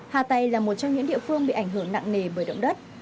hatay là một trong những địa phương bị ảnh hưởng nặng nề bởi động đất